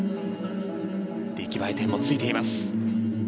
出来栄え点もついています。